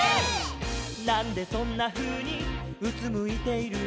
「なんでそんなふうにうつむいているの」